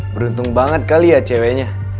beruntung banget kali ya ceweknya